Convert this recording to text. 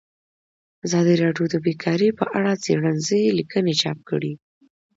ازادي راډیو د بیکاري په اړه څېړنیزې لیکنې چاپ کړي.